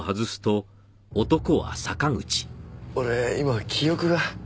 俺今記憶が。